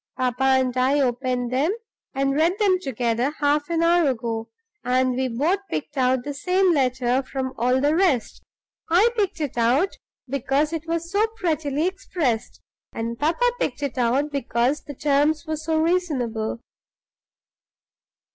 Papa and I opened them and read them together half an hour ago; and we both picked out the same letter from all the rest. I picked it out, because it was so prettily expressed; and papa picked it out because the terms were so reasonable.